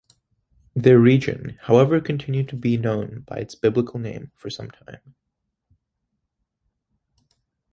Their region, however, continued to be known by its biblical name for some time.